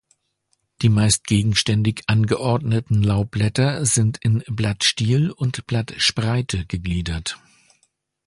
Die meist gegenständig angeordneten Laubblätter sind in Blattstiel und Blattspreite gegliedert.